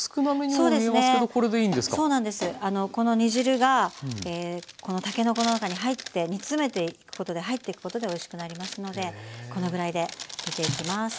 そうなんですこの煮汁がたけのこの中に入って煮詰めていくことで入っていくことでおいしくなりますのでこのぐらいで煮ていきます。